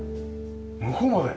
向こうまで。